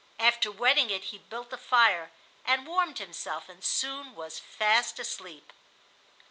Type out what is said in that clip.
After wetting it he built a fire and warmed himself, and soon was fast asleep.